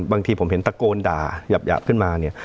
บางทีผมเห็นตะโกนด่าหยาบขึ้นมาเนี่ย